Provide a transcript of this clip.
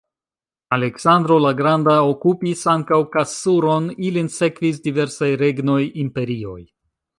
Aleksandro la Granda okupis ankaŭ Kasur-on, ilin sekvis diversaj regnoj, imperioj.